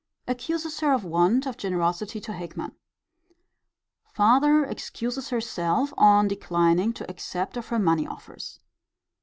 Accuses her of want of generosity to Hickman. Farther excuses herself on declining to accept of her money offers.